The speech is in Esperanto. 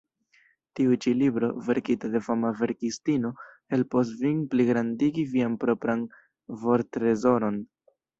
Tiu ĉi libro, verkita de fama verkistino, helpos vin pligrandigi vian propran vorttrezoron.